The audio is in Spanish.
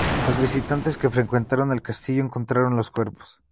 Los visitantes que frecuentaron el castillo encontraron los cuerpos.